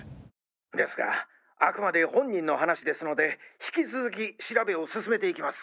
ですがあくまで本人の話ですので引き続き調べを進めていきます。